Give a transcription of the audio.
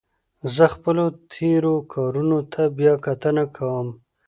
زه خپلو تېرو کارونو ته بیا کتنه کوم.